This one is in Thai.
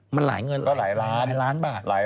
มันหลายเงินหลายล้านบาทบาท